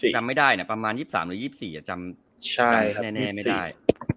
จำไม่ได้นะประมาณ๒๓หรือ๒๔จำได้แน่ไม่ได้